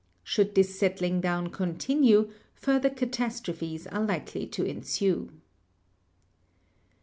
Should this settling down continue, further cat astrophes are likely to ensue.